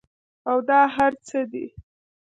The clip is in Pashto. او دا هر څۀ دي